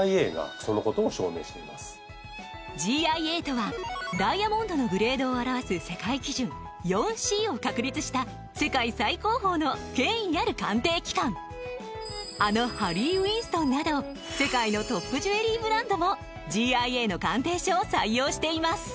ＧＩＡとはダイヤモンドのグレードを表す世界基準４Ｃを確立した世界最高峰の権威ある鑑定機関あのハリー・ウィンストンなど世界のトップジュエリーブランドもＧＩＡの鑑定書を採用しています